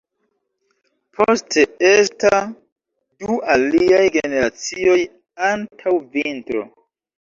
Poste esta du aliaj generacioj antaŭ vintro.